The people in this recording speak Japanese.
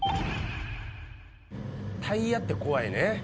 タイヤって怖いね。